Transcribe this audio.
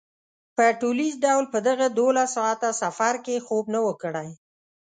په ټولیز ډول په دغه دولس ساعته سفر کې خوب نه و کړی.